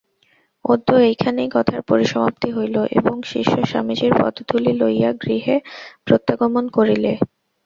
অদ্য এইখানেই কথার পরিসমাপ্তি হইল এবং শিষ্য স্বামীজীর পদধূলি লইয়া গৃহে প্রত্যাগমন করিলে।